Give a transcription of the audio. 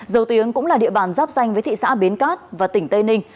dầu tiếng cũng là địa bàn dắp danh với thị xã biến cát và tỉnh tây ninh